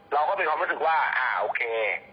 เราก็มีความรู้สึกว่าอ่าโอเค